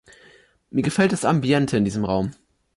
Mir gefällt das Ambiente in diesem Raum.